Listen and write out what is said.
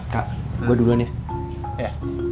kak gua duluan ya